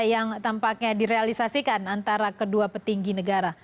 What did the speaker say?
yang tampaknya direalisasikan antara kedua petinggi negara